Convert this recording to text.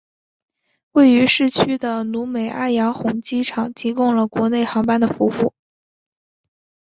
位于市区的努美阿洋红机场提供了国内航班的服务。